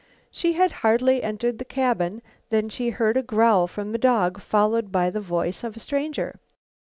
She had hardly entered the cabin than she heard a growl from the dog, followed by the voice of a stranger.